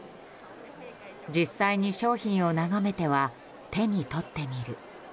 実際に商品を眺めては手に取ってみる。